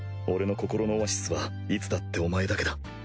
俺の心のオアシスはいつだってお前だけだ